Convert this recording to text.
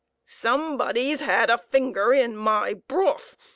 " Somebody s had a finger in my broth